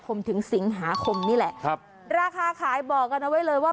ผมถึงสิงหาคมนี่แหละครับราคาขายบอกกันเอาไว้เลยว่า